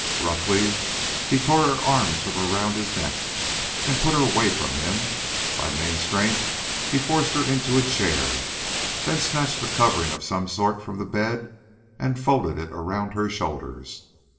Roughly he tore her arms from about his neck and put her away from him; by main strength he forced her into a chair, then snatched a covering of some sort from the bed and folded it around her shoulders.